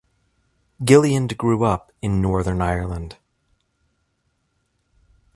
Gilliland grew up in Northern Ireland.